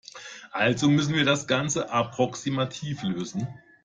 Also müssen wir das Ganze approximativ lösen.